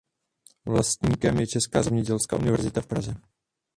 Vlastníkem je Česká zemědělská univerzita v Praze.